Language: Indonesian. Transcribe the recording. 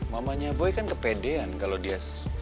mamanya boy kan kepedean kalau dia